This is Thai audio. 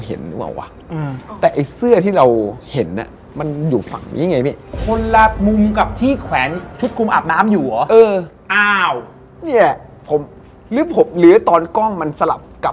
นอนที่บ้านรุ่นพี่กันดีกว่า